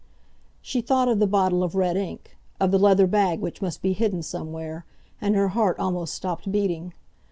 She thought of the bottle of red ink—of the leather bag which must be hidden somewhere—and her heart almost stopped beating.